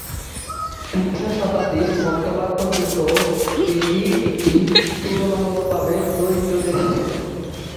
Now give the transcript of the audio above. বিংশ শতাব্দীর মধ্যভাগ পর্যন্তও এটি একটি তুলনামূলকভাবে দরিদ্র দেশ ছিল।